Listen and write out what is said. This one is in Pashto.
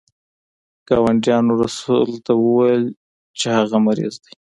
ګاونډیانو رسول ته وویل چې هغه مریض دی.